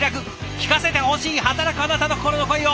聞かせてほしい働くあなたの心の声を。